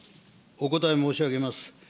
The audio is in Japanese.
お答え申し上げます。